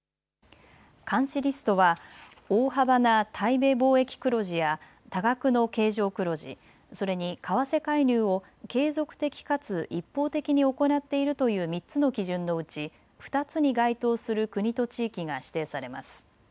監視リストは大幅な対米貿易黒字や多額の経常黒字、それに為替介入を継続的かつ一方的に行っているという３つの基準のうち２つに該当する国と地域が指定されます。